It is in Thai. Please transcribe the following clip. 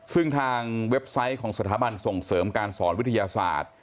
ซึ่งทางเว็บไซต์ของสถาบันส่งเสริมการสอนวิทยาศาสตร์